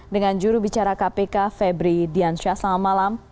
dengan juru bicara kpk febri diansyah selamat malam